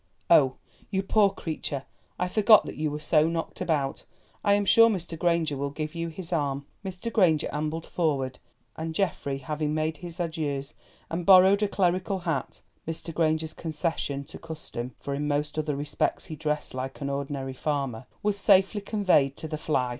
Oh! you poor creature, I forgot that you were so knocked about. I am sure Mr. Granger will give you his arm." Mr. Granger ambled forward, and Geoffrey having made his adieus, and borrowed a clerical hat (Mr. Granger's concession to custom, for in most other respects he dressed like an ordinary farmer), was safely conveyed to the fly.